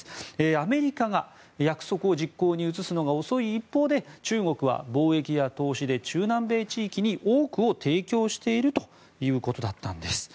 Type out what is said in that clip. アメリカが約束を実行に移すのが遅い一方で中国は貿易や投資で中南米地域に多くを提供しているということだったんです。